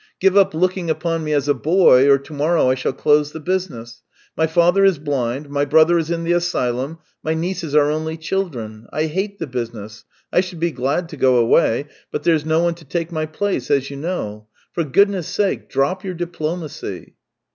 Give up looking upon me as a boy, or to morrow I shall close the business. My father is blind, my brother is in the asylum, my nieces are only children. I hate the business; I should be glad to go away, but there's no one to take my place, as you know. For goodness' sake, drop your diplomacy